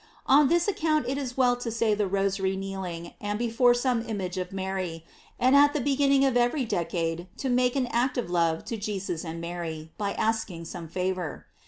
On this account it is well to say the Rosary kneeling, and before some image of Mary, and at the beginning of every decade to make an act of love to Jesus and Mary, by asking some favor.